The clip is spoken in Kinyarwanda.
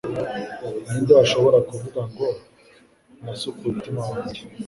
Ni nde washobora kuvuga ngo «Nasukuye umutima wanjye